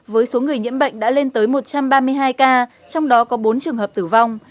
với số người nhiễm bệnh đã lên tới một trăm ba mươi hai ca trong đó có bốn trường hợp tử vong